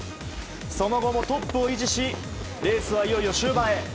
その後もトップを維持し、レースはいよいよ終盤へ。